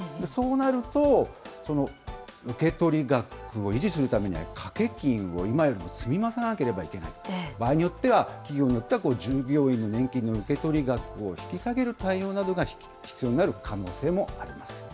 そうなると、受け取り額を維持するためには、掛金を今よりも積み増さなければならない、場合によっては企業によっては、従業員の年金の受け取り額を引き下げる対応などが必要になる可能性もあります。